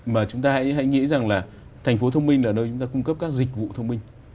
mà chúng ta hãy nghĩ rằng là thành phố thông minh là nơi chúng ta cung cấp các dịch vụ thông minh